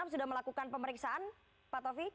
satu ratus enam sudah melakukan pemeriksaan pak taufik